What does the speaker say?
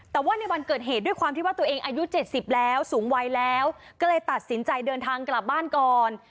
แต่ว่าในวันเกิดเหตุด้วยความที่ว่าตัวเองอายุ๗๐แล้วสูงวัยแล้วก็เลยตัดสินใจเดินทางกลับบ้านก่อน